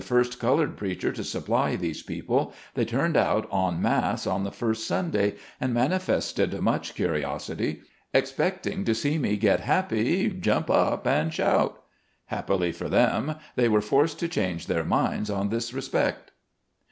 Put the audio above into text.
first colored preacher to supply these people, they turned out en mass on the first Sunday, and mani fested much curiosity, expecting to see me get happy, jump up and shout. Happily for them, they were forced to change their minds in this respect.